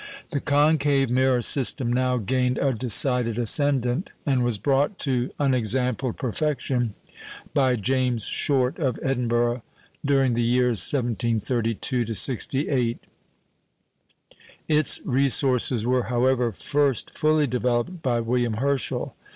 The concave mirror system now gained a decided ascendant, and was brought to unexampled perfection by James Short of Edinburgh during the years 1732 68. Its resources were, however, first fully developed by William Herschel.